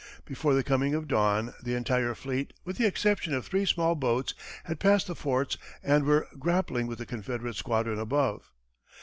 Before the coming of dawn, the entire fleet, with the exception of three small boats, had passed the forts and were grappling with the Confederate squadron above.